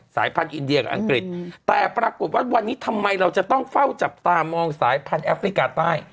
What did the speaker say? สายพันธ์อินเดียกับอังกฤษแต่ปรากฏว่าวันนี้ทำไมเราจะต้องเฝ้าจับตามองสายพันธแอฟริกาใต้